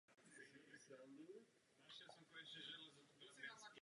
Je použito řešení jehož strategie je definována jako koncepce "ostrovů a kabin".